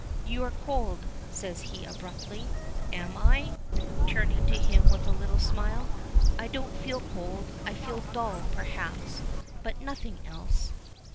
"You are cold," says he abruptly. "Am I?" turning to him with a little smile. "I don't feel cold. I feel dull, perhaps, but nothing else."